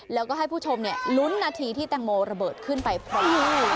แล้วก็ให้ผู้ชมลุ้นนาทีที่แตงโมระเบิดขึ้นไปพร้อม